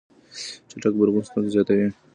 چټک غبرګون ستونزه زياتوي.